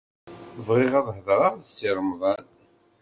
Bɣiɣ ad hedṛeɣ d Si Remḍan.